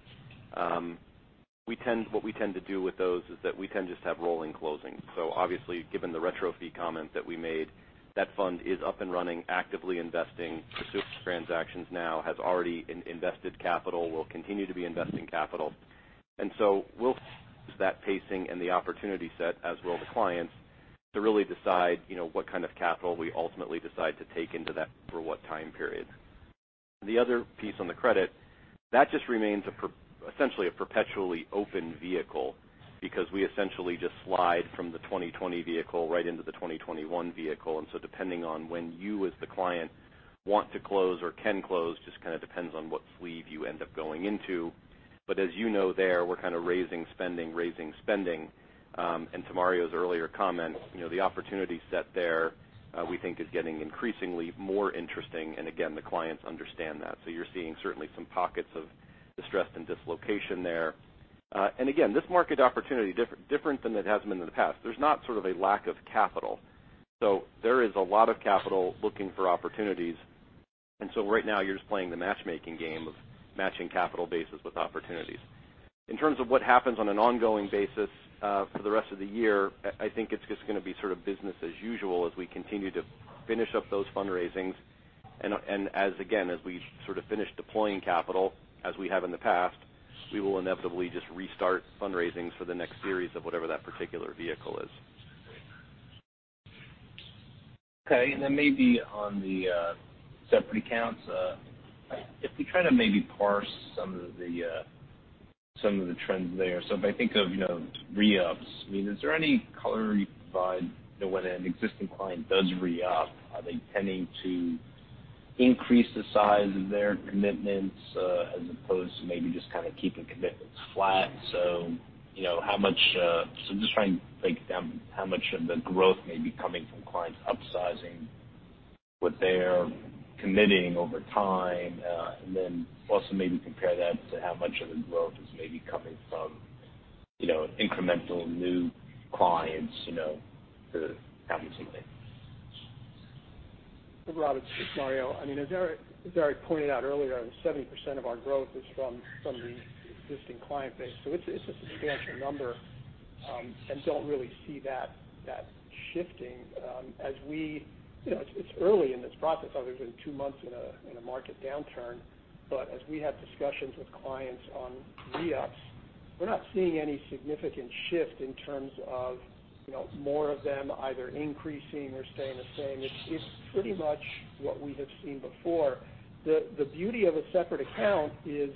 What we tend to do with those is that we tend just to have rolling closing. So obviously, given the retro fee comment that we made, that fund is up and running, actively investing, pursuing transactions now, has already invested capital, will continue to be investing capital. We'll see that pacing and the opportunity set, as will the clients, to really decide, you know, what kind of capital we ultimately decide to take into that for what time period. The other piece on the credit, that just remains essentially a perpetually open vehicle because we essentially just slide from the 2020 vehicle right into the 2021 vehicle. And so depending on when you, as the client, want to close or can close, just kinda depends on what sleeve you end up going into. But as you know there, we're kinda raising, spending, raising, spending. And to Mario's earlier comment, you know, the opportunity set there, we think is getting increasingly more interesting, and again, the clients understand that. So you're seeing certainly some pockets of distress and dislocation there. And again, this market opportunity, different than it has been in the past. There's not sort of a lack of capital. So there is a lot of capital looking for opportunities. And so right now, you're just playing the matchmaking game of matching capital bases with opportunities. In terms of what happens on an ongoing basis, for the rest of the year, I think it's just gonna be sort of business as usual as we continue to finish up those fundraisings. And again, as we sort of finish deploying capital, as we have in the past, we will inevitably just restart fundraising for the next series of whatever that particular vehicle is. Okay, and then maybe on the separate accounts, if we try to maybe parse some of the some of the trends there. So if I think of, you know, re-ups, I mean, is there any color you can provide, you know, when an existing client does re-up, are they tending to increase the size of their commitments, as opposed to maybe just kinda keeping commitments flat? So, you know, how much. So I'm just trying to break down how much of the growth may be coming from clients upsizing what they're committing over time, and then also maybe compare that to how much of the growth is maybe coming from, you know, incremental new clients, you know, to have you seen it? Rob, it's Mario. I mean, as Erik pointed out earlier, 70% of our growth is from the existing client base, so it's a substantial number, and don't really see that shifting. You know, it's early in this process, obviously, two months in a market downturn. But as we have discussions with clients on re-ups, we're not seeing any significant shift in terms of, you know, more of them either increasing or staying the same. It's pretty much what we have seen before. The beauty of a separate account is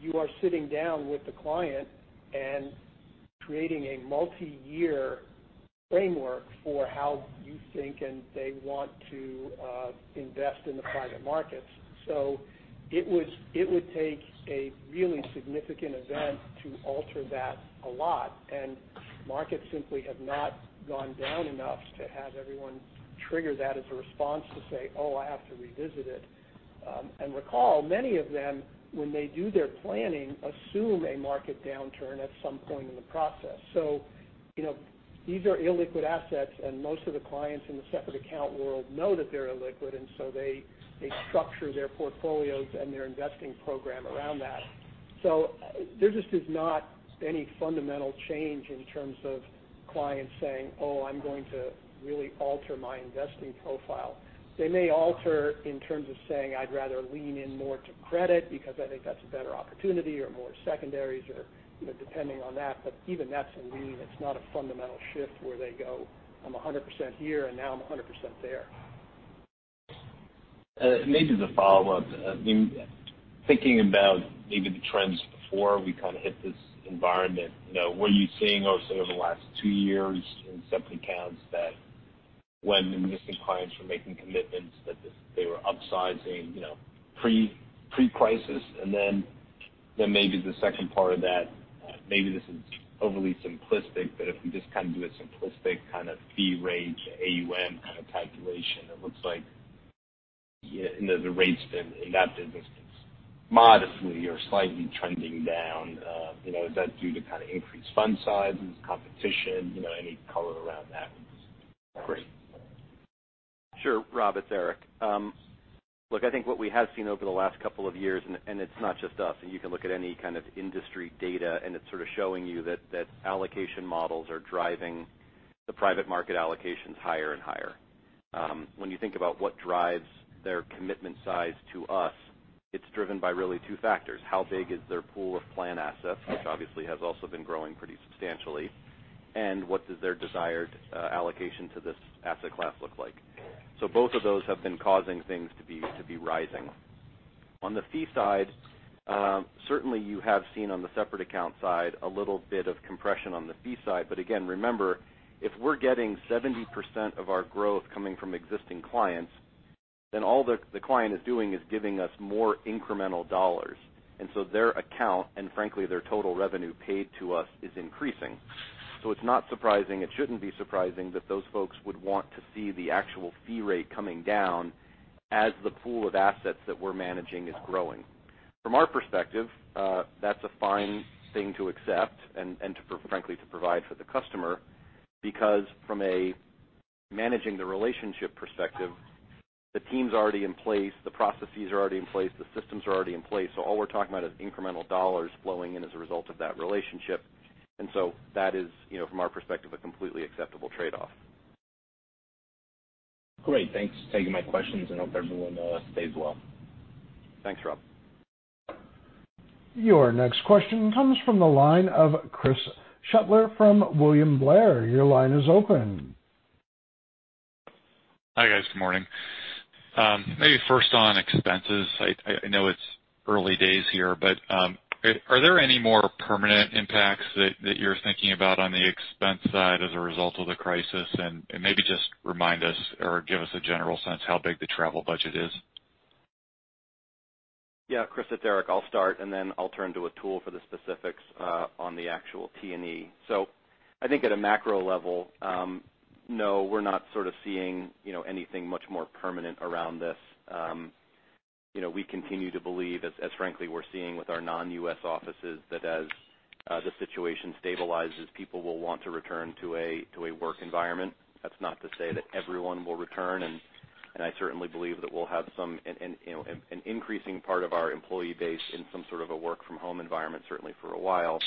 you are sitting down with the client and creating a multiyear framework for how you think and they want to invest in the private markets. So it would take a really significant event to alter that a lot, and markets simply have not gone down enough to have everyone trigger that as a response to say, "Oh, I have to revisit it," and recall, many of them, when they do their planning, assume a market downturn at some point in the process, so you know, these are illiquid assets, and most of the clients in the separate account world know that they're illiquid, and so they structure their portfolios and their investing program around that, so there just is not any fundamental change in terms of clients saying, "Oh, I'm going to really alter my investing profile." They may alter in terms of saying, "I'd rather lean in more to credit because I think that's a better opportunity or more Secondaries," or, you know, depending on that. But even that's a lean. It's not a fundamental shift where they go, "I'm 100% here, and now I'm 100% there. Maybe as a follow-up, I mean, thinking about maybe the trends before we kinda hit this environment, you know, were you seeing over sort of the last two years in separate accounts that when the missing clients were making commitments, that they were upsizing, you know, pre-crisis? And then maybe the second part of that, maybe this is overly simplistic, but if we just kinda do a simplistic kind of fee range, AUM kind of calculation, it looks like, yeah, you know, the rate's been, in that business, modestly or slightly trending down. You know, is that due to kinda increased fund size, competition? You know, any color around that? Great. Sure, Rob, it's Erik. Look, I think what we have seen over the last couple of years, and it's not just us, and you can look at any kind of industry data, and it's sort of showing you that allocation models are driving the private market allocations higher and higher. When you think about what drives their commitment size to us, it's driven by really two factors: How big is their pool of plan assets, which obviously has also been growing pretty substantially, and what does their desired allocation to this asset class look like? So both of those have been causing things to be rising. On the fee side, certainly, you have seen on the separate account side a little bit of compression on the fee side. But again, remember, if we're getting 70% of our growth coming from existing clients, then all the client is doing is giving us more incremental dollars. And so their account, and frankly, their total revenue paid to us, is increasing. So it's not surprising. It shouldn't be surprising that those folks would want to see the actual fee rate coming down as the pool of assets that we're managing is growing. From our perspective, that's a fine thing to accept and frankly, to provide for the customer. Because from a managing the relationship perspective, the team's already in place, the processes are already in place, the systems are already in place, so all we're talking about is incremental dollars flowing in as a result of that relationship. And so that is, you know, from our perspective, a completely acceptable trade-off. Great. Thanks for taking my questions, and hope everyone stays well. Thanks, Rob. Your next question comes from the line of Chris Shutler from William Blair. Your line is open. Hi, guys. Good morning. Maybe first on expenses, I know it's early days here, but are there any more permanent impacts that you're thinking about on the expense side as a result of the crisis? And maybe just remind us or give us a general sense how big the travel budget is. Yeah, Chris, it's Erik. I'll start, and then I'll turn to Atul for the specifics on the actual T&E. So I think at a macro level, no, we're not sort of seeing, you know, anything much more permanent around this. You know, we continue to believe as frankly, we're seeing with our non-U.S. offices, that as the situation stabilizes, people will want to return to a work environment. That's not to say that everyone will return, and I certainly believe that we'll have some, you know, an increasing part of our employee base in some sort of a work from home environment, certainly for a while.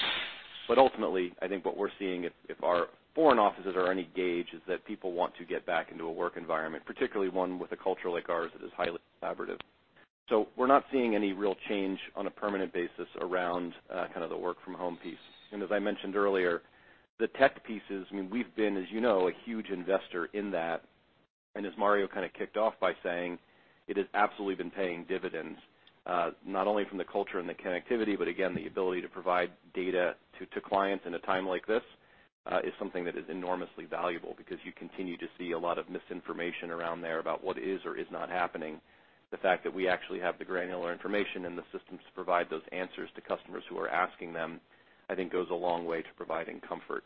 But ultimately, I think what we're seeing, if our foreign offices are any gauge, is that people want to get back into a work environment, particularly one with a culture like ours, that is highly collaborative. So we're not seeing any real change on a permanent basis around kind of the work from home piece. And as I mentioned earlier, the tech pieces, I mean, we've been, as you know, a huge investor in that. And as Mario kind of kicked off by saying, it has absolutely been paying dividends, not only from the culture and the connectivity, but again, the ability to provide data to clients in a time like this, is something that is enormously valuable because you continue to see a lot of misinformation around there about what is or is not happening. The fact that we actually have the granular information and the systems to provide those answers to customers who are asking them, I think goes a long way to providing comfort.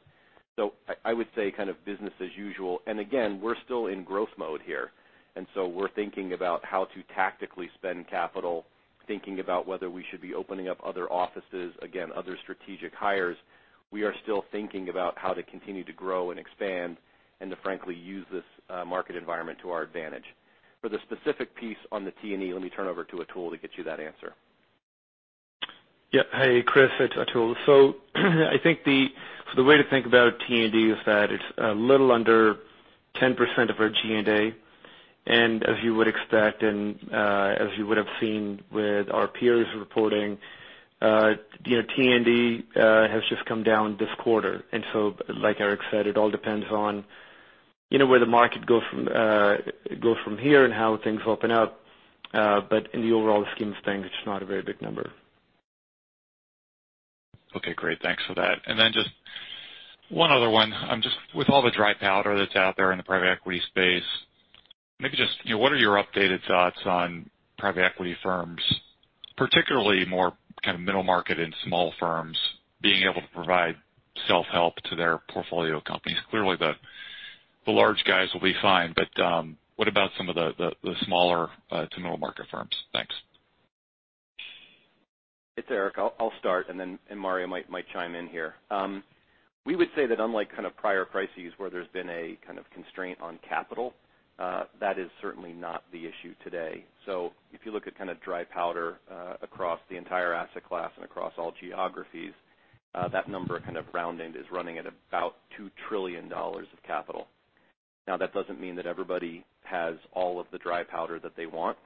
So I would say kind of business as usual. And again, we're still in growth mode here, and so we're thinking about how to tactically spend capital, thinking about whether we should be opening up other offices, again, other strategic hires. We are still thinking about how to continue to grow and expand and to frankly, use this, market environment to our advantage. For the specific piece on the T&E, let me turn over to Atul to get you that answer. Yeah. Hey, Chris, it's Atul. So I think the way to think about T&E is that it's a little under 10% of our G&A. And as you would expect, and, as you would have seen with our peers reporting, you know, T&E has just come down this quarter. And so, like Erik said, it all depends on, you know, where the market goes from here and how things open up. But in the overall scheme of things, it's not a very big number. Okay, great. Thanks for that. And then just one other one. Just with all the dry powder that's out there in the private equity space, maybe just, you know, what are your updated thoughts on private equity firms, particularly more kind of middle market and small firms being able to provide self-help to their portfolio companies? Clearly, the large guys will be fine, but what about some of the smaller to middle market firms? Thanks. It's Erik. I'll start, and then Mario might chime in here. We would say that unlike kind of prior crises where there's been a kind of constraint on capital, that is certainly not the issue today. So if you look at kind of dry powder across the entire asset class and across all geographies, that number kind of rounded is running at about $2 trillion of capital. Now, that doesn't mean that everybody has all of the dry powder that they want,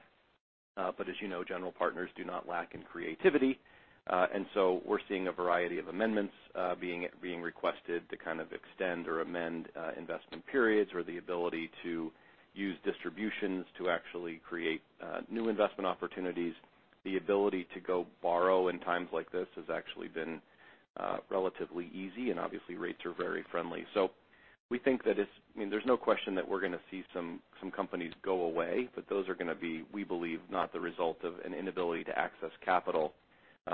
but as you know, general partners do not lack in creativity. And so we're seeing a variety of amendments being requested to kind of extend or amend investment periods, or the ability to use distributions to actually create new investment opportunities. The ability to go borrow in times like this has actually been relatively easy, and obviously rates are very friendly. So we think that it's, I mean, there's no question that we're gonna see some companies go away, but those are gonna be, we believe, not the result of an inability to access capital,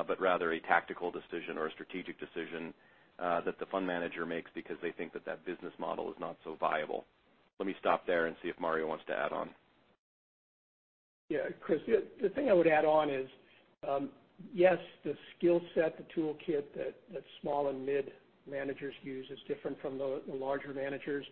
but rather a tactical decision or a strategic decision that the fund manager makes because they think that that business model is not so viable. Let me stop there and see if Mario wants to add on. Yeah, Chris, the thing I would add on is, yes, the skill set, the toolkit that small and mid-managers use is different from the larger managers,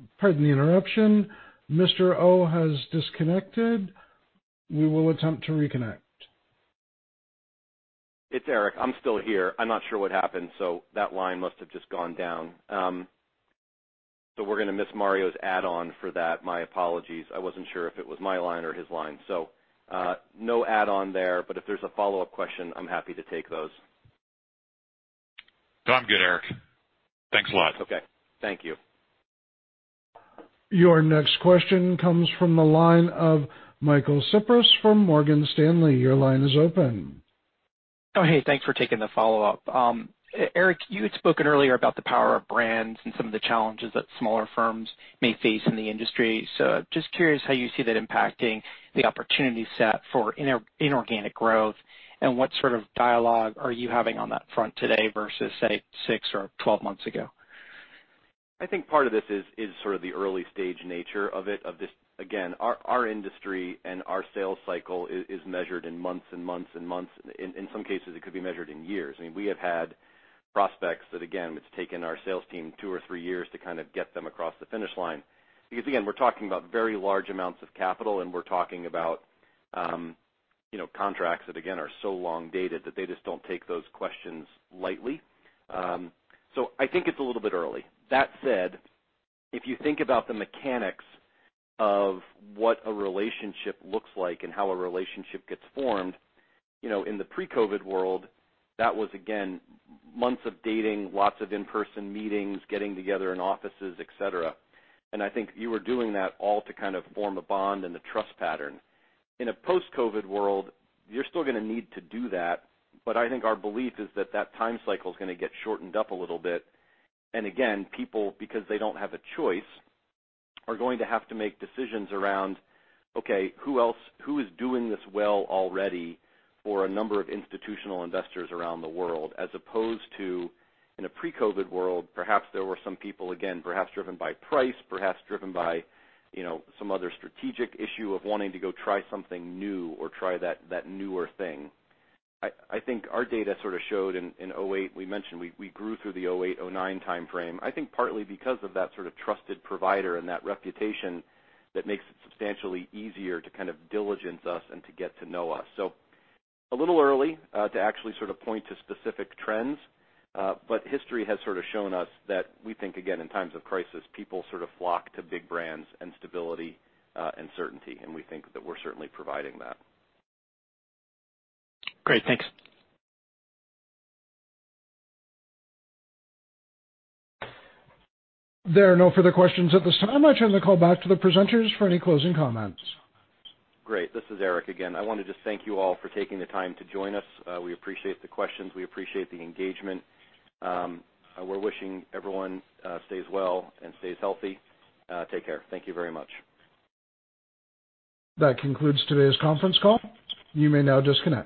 but. Pardon the interruption. Mr. Oh has disconnected. We will attempt to reconnect. It's Erik. I'm still here. I'm not sure what happened, so that line must have just gone down. So we're gonna miss Mario's add on for that. My apologies. I wasn't sure if it was my line or his line, so no add on there, but if there's a follow-up question, I'm happy to take those. No, I'm good, Erik. Thanks a lot. Okay. Thank you. Your next question comes from the line of Michael Cyprys from Morgan Stanley. Your line is open. Oh, hey, thanks for taking the follow-up. Erik, you had spoken earlier about the power of brands and some of the challenges that smaller firms may face in the industry. So just curious how you see that impacting the opportunity set for inorganic growth, and what sort of dialogue are you having on that front today versus, say, six or 12 months ago? I think part of this is sort of the early stage nature of this. Again, our industry and our sales cycle is measured in months and months and months. In some cases, it could be measured in years. I mean, we have had prospects that, again, it's taken our sales team two or three years to kind of get them across the finish line. Because, again, we're talking about very large amounts of capital, and we're talking about, you know, contracts that, again, are so long-dated that they just don't take those questions lightly. So I think it's a little bit early. That said, if you think about the mechanics of what a relationship looks like and how a relationship gets formed, you know, in the pre-COVID world, that was, again, months of dating, lots of in-person meetings, getting together in offices, et cetera, and I think you were doing that all to kind of form a bond and a trust pattern. In a post-COVID world, you're still gonna need to do that, but I think our belief is that that time cycle is gonna get shortened up a little bit. And again, people, because they don't have a choice, are going to have to make decisions around, okay, who else, who is doing this well already for a number of institutional investors around the world, as opposed to in a pre-COVID world, perhaps there were some people, again, perhaps driven by price, perhaps driven by, you know, some other strategic issue of wanting to go try something new or try that newer thing. I think our data sort of showed in 2008, we mentioned we grew through the 2008-2009 time frame, I think partly because of that sort of trusted provider and that reputation that makes it substantially easier to kind of diligence us and to get to know us. A little early to actually sort of point to specific trends, but history has sort of shown us that we think, again, in times of crisis, people sort of flock to big brands and stability, and certainty, and we think that we're certainly providing that. Great. Thanks. There are no further questions at this time. I turn the call back to the presenters for any closing comments. Great. This is Erik again. I want to just thank you all for taking the time to join us. We appreciate the questions. We appreciate the engagement. We're wishing everyone stays well and stays healthy. Take care. Thank you very much. That concludes today's conference call. You may now disconnect.